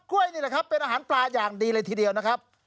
นี่แหละครับเป็นอาหารปลาอย่างดีเลยทีเดียวนะครับ